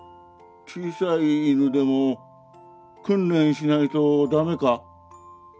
小さい犬でも訓練しないと駄目か？